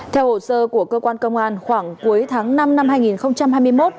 theo hồ sơ của cơ quan công an khoảng cuối tháng năm năm hai nghìn hai mươi một